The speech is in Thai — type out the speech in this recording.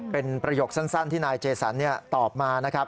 เป็นประโยคสั้นที่นายเจสันตอบมานะครับ